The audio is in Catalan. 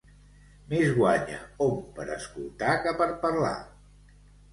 Més guanya hom per escoltar que per parlar.